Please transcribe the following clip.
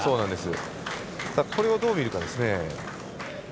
これをどう見るかですね。